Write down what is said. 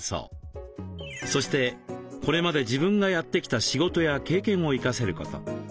そしてこれまで自分がやってきた仕事や経験を生かせること。